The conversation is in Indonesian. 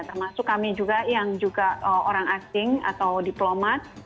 termasuk kami juga yang juga orang asing atau diplomat